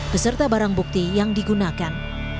beserta barang bukti yang digunakan